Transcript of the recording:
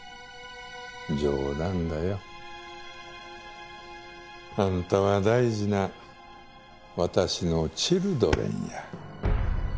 冗談だよ。あんたは大事な私のチルドレンや。